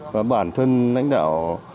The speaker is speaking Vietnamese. và bản thân lãnh đạo